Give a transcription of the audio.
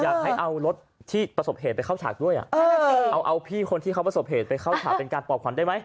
อยากให้เอารถที่ประสบเหตุไปเข้าฉากด้วยเอาพี่คนที่เขาประสบเหตุไปเข้าฉากเป็นการปอบขวัญได้ไหม